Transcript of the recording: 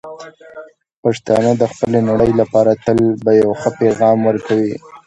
پښتانه د خپلې نړۍ لپاره تل به یو ښه پېغام ورکوي.